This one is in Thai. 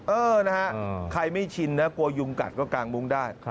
เออนะฮะใครไม่ชินนะกลัวยุงกัดก็กางมุ้งได้